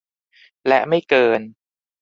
และไม่เกิน